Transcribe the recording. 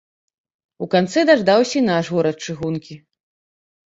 У канцы даждаўся і наш горад чыгункі.